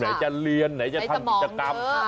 จะเรียนไหนจะทำกิจกรรม